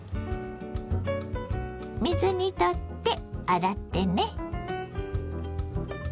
水にとって洗ってね。